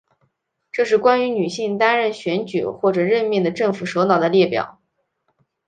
这是关于女性担任选举或者任命的政府首脑的列表。